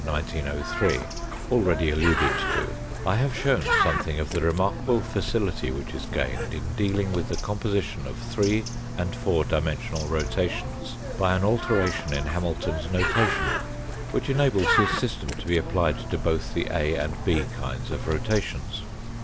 1903, already alluded to, I have shown something of the remarkable facility which is gained in dealing with the composition of three and four dimensional rotations by an alteration in Hamilton's notation, which enables his system to be applied to both the A and B kinds of rotations.